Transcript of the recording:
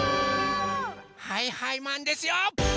はいはいマンですよ！